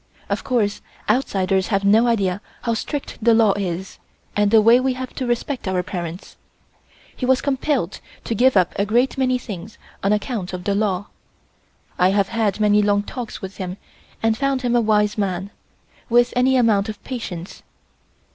Of course outsiders have no idea how strict the law is, and the way we have to respect our parents. He was compelled to give up a great many things on account of the law. I have had many long talks with him and found him a wise man, with any amount of patience.